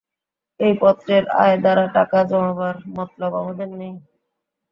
এই পত্রের আয় দ্বারা টাকা জমাবার মতলব আমাদের নেই।